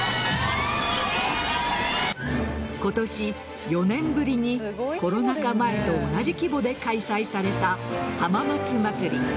今年、４年ぶりにコロナ禍前と同じ規模で開催された浜松まつり。